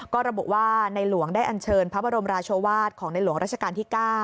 ก็ระบุว่าในหลวงได้อันเชิญพระบรมราชวาสของในหลวงราชการที่๙